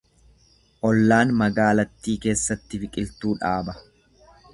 Ollaan magaalattii keessatti biqiltuu dhaaba.